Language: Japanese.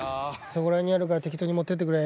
そこら辺にあるから適当に持ってってくれ。